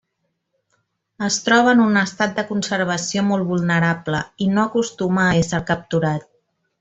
Es troba en un estat de conservació molt vulnerable i no acostuma a ésser capturat.